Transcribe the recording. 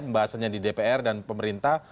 pembahasannya di dpr dan pemerintah